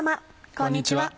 こんにちは。